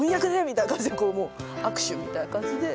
みたいな感じで握手みたいな感じで。